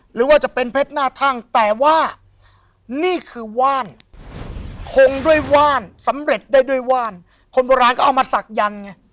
หรือว่าจะเป็นเพชรหน้าทั่งแต่ว่านี่คือว่านคงด้วยว่านสำเร็จได้ด้วยว่านคนโบราณก็เอามาศักดันไง